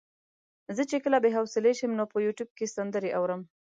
زه چې کله بې حوصلې شم نو په يوټيوب کې سندرې اورم.